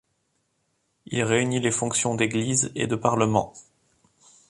Il réunit les fonctions d'église et de parlement.